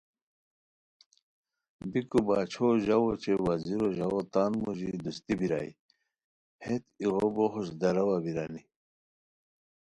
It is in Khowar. بیکو باچھو ژاؤ اوچے وزیرو ژاوؤ تان موژی دوستی بیرائے، ہیت ایغو بو خوش داراوا بیرانی